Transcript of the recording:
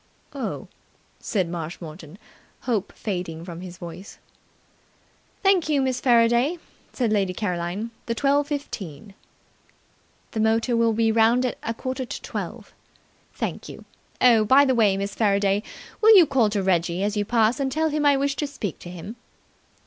"Oh!" said Marshmoreton, hope fading from his voice. "Thank you, Miss Faraday," said Lady Caroline. "The twelve fifteen." "The motor will be round at a quarter to twelve." "Thank you. Oh, by the way, Miss Faraday, will you call to Reggie as you pass, and tell him I wish to speak to him."